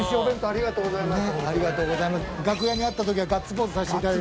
ありがとうございます。